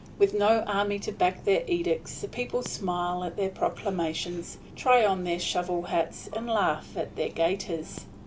With no army to back their edicts the people smile at their proclamations, try on their shovel hats, and laugh at their gaiters.